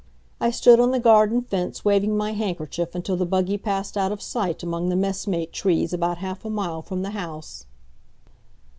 I stood on the garden fence waving my handkerchief until the buggy passed out of sight among the messmate trees about half a mile from the house.